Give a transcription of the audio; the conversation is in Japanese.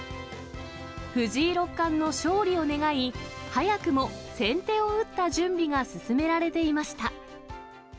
藤井六冠の勝利を願い、早くも先手を打った準備が進められていました。